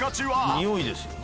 においですよね。